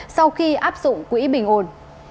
sau khi áp dụng quỹ bình ổn